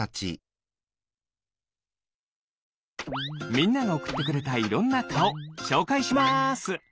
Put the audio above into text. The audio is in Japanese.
みんながおくってくれたいろんなかおしょうかいします。